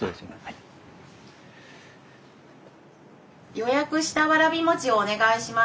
予約したわらび餅をお願いします。